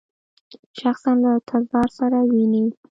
شخصاً له تزار سره وویني.